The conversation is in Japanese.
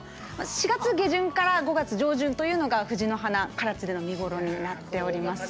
４月下旬から５月上旬というのが藤の花唐津での見頃になっております。